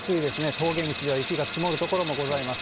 峠道では雪が積もる所もございます。